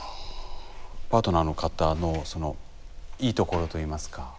パートナーの方のそのいいところといいますか。